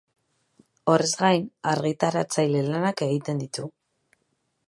Horrez gain, argitaratzaile lanak egiten ditu.